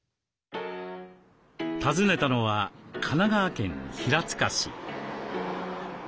訪ねたのは神奈川県平塚市。